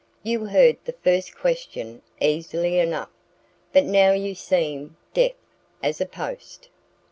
"You heard the first question easily enough. But now you seem deaf as a post."